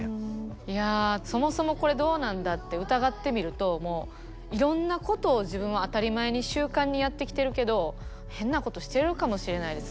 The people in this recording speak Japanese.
いやそもそもこれどうなんだって疑ってみるともういろんなことを自分は当たり前に習慣にやってきてるけど変なことしているかもしれないです。